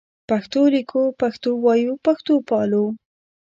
پښتو لیکو پښتو وایو پښتو پالو